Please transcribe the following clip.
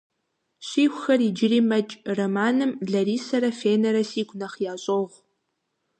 «Щихуэхэр иджыри мэкӏ» романым, Ларисэрэ, Фенэрэ сигу нэхъ ящӏогъу.